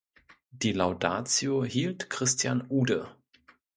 Die Laudatio hielt Christian Ude.